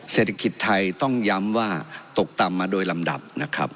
เศรษฐกิจไทยต้องย้ำว่าตกต่ำมาโดยลำดับนะครับ